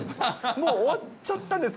もう終わっちゃったんですか？